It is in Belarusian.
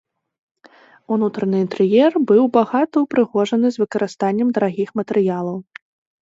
Унутраны інтэр'ер быў багата ўпрыгожаны з выкарыстаннем дарагіх матэрыялаў.